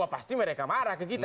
oh pasti mereka marah ke kita